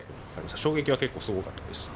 衝撃は結構、すごかったです。